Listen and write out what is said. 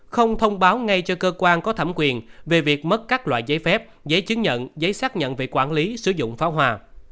không thông báo ngay cho cơ quan có thẩm quyền về việc mất các loại giấy phép giấy chứng nhận giấy xác nhận về quản lý sử dụng pháo hoa